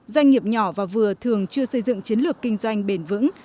doanh nghiệp nhỏ và vừa thường chưa xây dựng chiến lược kinh doanh bền vững